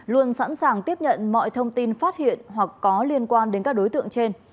luôn sẵn sàng tiếp nhận mọi thông tin phát hiện hoặc có liên quan đến các đối tượng trên